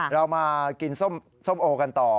เรามากินส้มโอกันต่อ